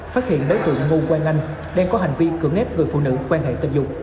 phát hiện đối tượng ngô quang anh đang có hành vi cưỡng ép người phụ nữ quan hệ tình dục